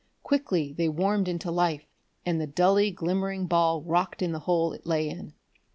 Quickly they warmed into life, and the dully glimmering ball rocked in the hole it lay in.